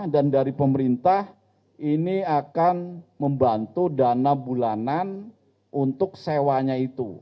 dan dari pemerintah ini akan membantu dana bulanan untuk sewanya itu